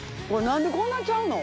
何でこんなちゃうの？